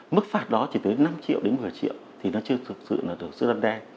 mức phạt đó chỉ tới năm triệu đến một mươi triệu thì nó chưa thực sự là từ sức dân đe